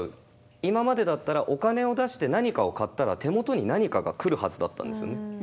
今までだったらお金を出して何かを買ったら手元に何かが来るはずだったんですよね。